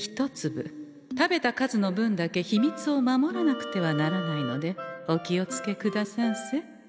食べた数の分だけ秘密を守らなくてはならないのでお気をつけくださんせ。